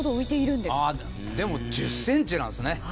でも１０ｃｍなんですね。